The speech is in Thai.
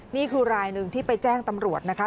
นี่คือรายหนึ่งที่ไปแจ้งตำรวจนะคะ